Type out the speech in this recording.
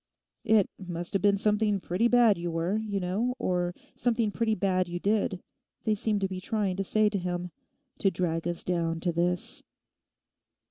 'It must have been something pretty bad you were, you know, or something pretty bad you did,' they seemed to be trying to say to him, 'to drag us down to this.